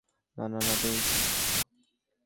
না, না তুমি ভুল বুঝছ।